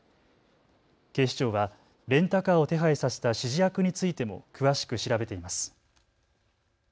警視庁はレンタカーを手配させた指示役についても詳しく調べています。